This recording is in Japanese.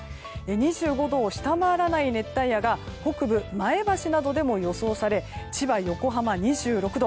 ２５度を下回らない熱帯夜が北部、前橋などでも予想され、千葉と横浜は２６度。